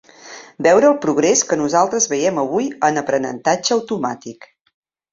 Veure el progrés que nosaltres veiem avui en aprenentatge automàtic.